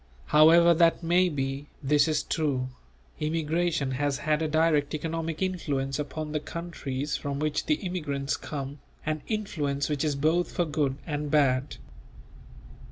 However that may be, this is true: immigration has had a direct economic influence upon the countries from which the immigrants come, an influence which is both for good and bad.